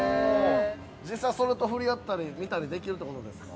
◆実際、それと触れ合ったり見たりできるってことですか。